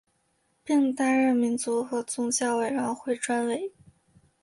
并担任民族和宗教委员会专委。